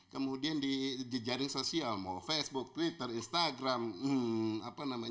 kemudian di jejaring sosial facebook twitter instagram